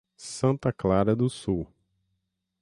Santa Clara do Sul